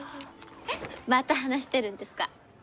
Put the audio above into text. また話してるんですか？